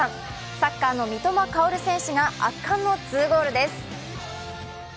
サッカーの三笘薫選手が圧巻のツーゴールです。